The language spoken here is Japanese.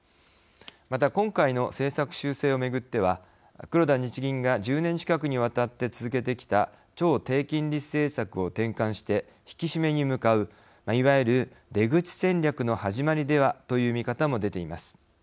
また、今回の政策修正を巡っては黒田日銀が１０年近くにわたって続けてきた超低金利政策を転換して引き締めに向かういわゆる出口戦略の始まりではという見方も出ています。